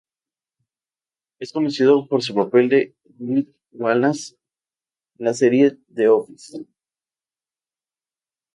Es conocido por su papel de David Wallace en la serie "The Office".